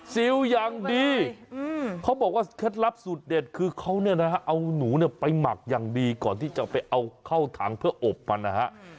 ซิลอย่างดีเขาบอกว่าเคล็ดลับสูตรเด็ดคือเขาเนี่ยนะฮะเอาหนูเนี่ยไปหมักอย่างดีก่อนที่จะไปเอาเข้าถังเพื่ออบมันนะฮะ